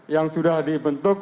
yang sudah dibentuk